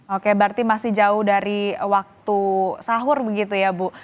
oke berarti masih jauh dari waktu sahur begitu ya bu